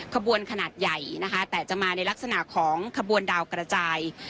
ขบวนขนาดใหญ่นะคะแต่จะมาในลักษณะของขบวนดาวกระจาย